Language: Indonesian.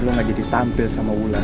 lu gak jadi tampil sama ulan